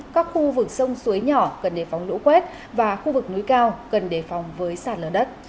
các khu vực sông suối nhỏ cần đề phóng lũ quét và khu vực núi cao cần đề phòng với sạt lở đất